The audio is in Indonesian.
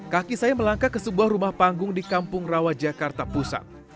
kaki saya melangkah ke sebuah rumah panggung di kampung rawa jakarta pusat